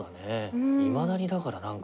いまだにだから何か怖いもん。